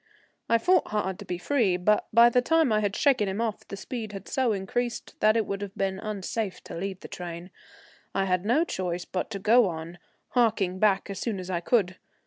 I fought hard to be free, but by the time I had shaken him off the speed had so increased that it would have been unsafe to leave the train. I had no choice but to go on, harking back as soon as I could.